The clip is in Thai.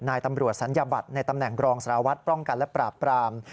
นายตำรวจสัญญาบัติในตำแหน่งกรองสลาวัฒน์ปล่องกันและปราบปราม